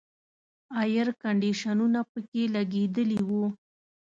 اییر کنډیشنونه پکې لګېدلي وو.